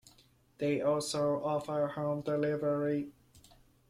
They also offer home delivery.